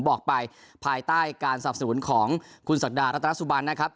บอกไปภายใต้การสนับสนุนของคุณศักดารัตนสุบันนะครับ